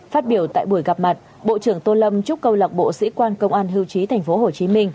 phát biểu tại buổi gặp mặt bộ trưởng tô lâm chúc câu lạc bộ sĩ quan công an hưu trí tp hcm